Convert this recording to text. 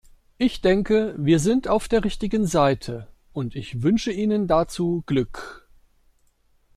Ich denke, wir sind auf der richtigen Seite, und ich wünsche Ihnen dazu Glück.